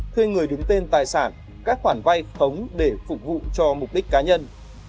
thuê người đứng tên tài sản các khoản vay khống để phục vụ cho mục đích cá nhân